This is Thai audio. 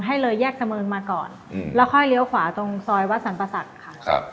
ให้เลยแยกเสมินมาก่อนแล้วค่อยเลี้ยวขวาตรงซอยวัดสรรปศักดิ์ค่ะครับ